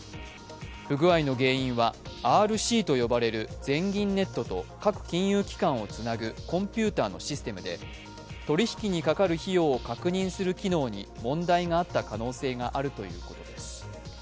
不具合の原因はＲＣと呼ばれる全銀ネットと各コンピュ−ターをつなぐコンピューターのシステムで、取り引きにかかる費用を確認する機能に問題があった可能性があるということです。